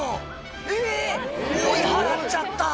えぇ追い払っちゃった！